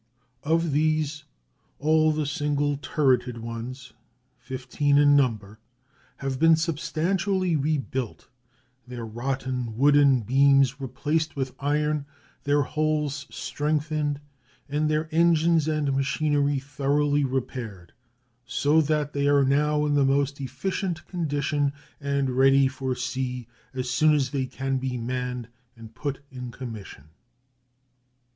Of these all the single turreted ones, fifteen in number, have been substantially rebuilt, their rotten wooden beams replaced with iron, their hulls strengthened, and their engines and machinery thoroughly repaired, so that they are now in the most efficient condition and ready for sea as soon as they can be manned and put in commission.